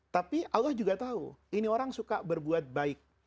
tapi allah juga tahu ini orang suka berbuat baik